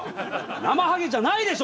なまはげじゃないでしょ！